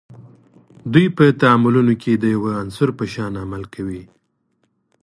دوی په تعاملونو کې د یوه عنصر په شان عمل کوي.